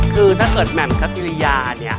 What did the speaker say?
คือถ้าเกิดแหม่มคัสกิริยาเนี่ย